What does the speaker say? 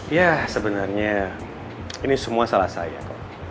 ya sebenarnya ini semua salah saya kok